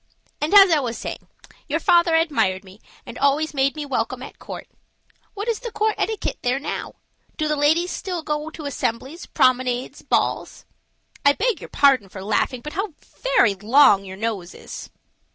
And, as I was saying, your father admired me and always made me welcome at court. What is the court etiquette there now? Do the ladies still go to assemblies, promenades, balls? I beg your pardon for laughing, but how very long your nose is."